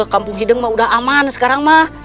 kampung hideng mah udah aman sekarang mah